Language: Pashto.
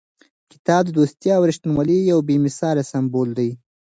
کتاب د دوستۍ او رښتینولۍ یو بې مثاله سمبول دی.